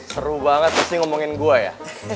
seru banget pasti ngomongin gue ya